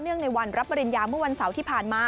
ในวันรับปริญญาเมื่อวันเสาร์ที่ผ่านมา